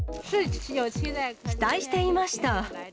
期待していました。